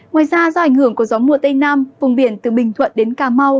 ngoài ra do ảnh hưởng của gió mùa tây nam vùng biển từ bình thuận đến cà mau